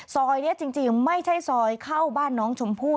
ซอยนี้จริงไม่ใช่ซอยเข้าบ้านน้องชมพู่